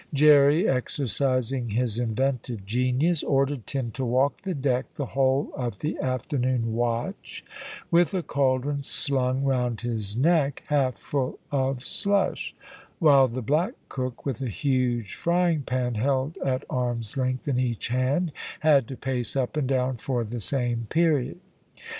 Jerry, exercising his inventive genius, ordered Tim to walk the deck the whole of the afternoon watch, with a cauldron slung round his neck half full of slush; while the black cook, with a huge frying pan held at arm's length in each hand, had to pace up and down for the same period.